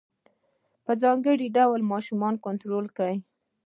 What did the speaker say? په ځانګړي ډول ماشومان کنترول کړي.